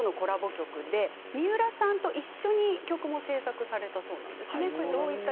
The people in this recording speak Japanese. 曲で三浦さんと一緒に曲を制作されたそうですね。